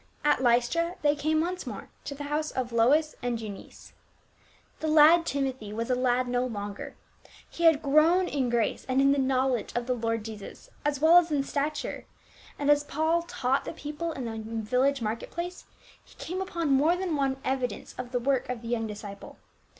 At Lystra the} came once more to the house of Lois and Eunice. The lad Timothy was a lad no longer. He had grown in grace and in the knowledge of the Lord Jesus as well as in stature, and as Paul taught the people in the village market place, he came upon more than one evidence of the work of the young disciple.